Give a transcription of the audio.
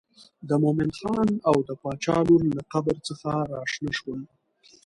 د مومن خان او د باچا لور له قبر څخه راشنه شول.